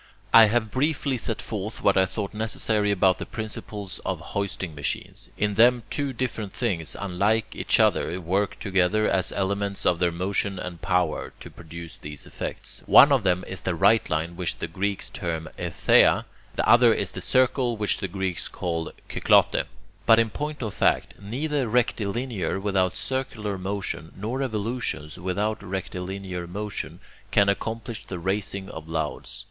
I have briefly set forth what I thought necessary about the principles of hoisting machines. In them two different things, unlike each other, work together, as elements of their motion and power, to produce these effects. One of them is the right line, which the Greeks term [Greek: eutheia]; the other is the circle, which the Greeks call [Greek: kyklote]; but in point of fact, neither rectilinear without circular motion, nor revolutions, without rectilinear motion, can accomplish the raising of loads.